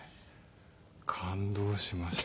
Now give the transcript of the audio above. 感動しました。